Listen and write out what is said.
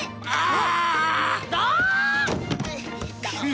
ああ。